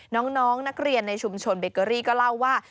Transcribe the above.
น้องนักเรียนในชุมชนเบเกอรี่ก็เล่าว่า